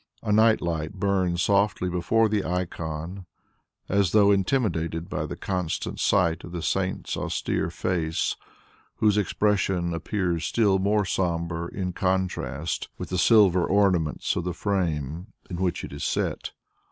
A night light burns softly before the icon as though intimidated by the constant sight of the saint's austere face, whose expression appears still more sombre in contrast with the silver ornaments of the frame in which it is set.